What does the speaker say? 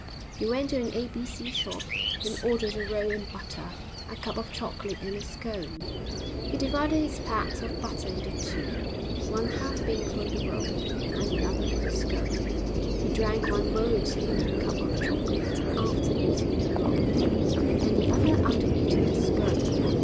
He went to an A. B. C. shop and ordered a roll and butter, a cup of chocolate and a scone. He divided his pat of butter into two, one half being for the roll and the other for the scone; he drank one moiety of the cup of chocolate after eating the roll, and the other after eating the scone.